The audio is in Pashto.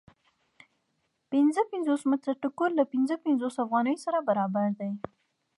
پنځه پنځوس متره ټوکر له پنځه پنځوس افغانیو سره برابر دی